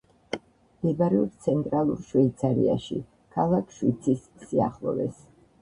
მდებარეობს ცენტრალურ შვეიცარიაში, ქალაქ შვიცის სიახლოვეს.